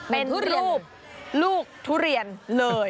เป็นรูปลูกทุเรียนเลย